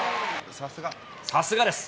さすがです。